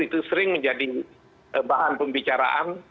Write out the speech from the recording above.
itu sering menjadi bahan pembicaraan